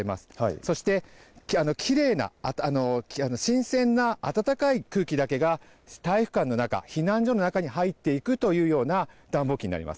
そしてきれいな、新鮮な暖かい空気だけが、体育館の中、避難所の中に入っていくというような暖房機になります。